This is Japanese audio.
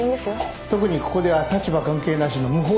特にここでは立場関係なしの無法地帯。